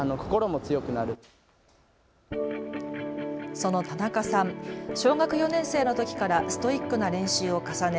その田中さん、小学４年生のときからストイックな練習を重ね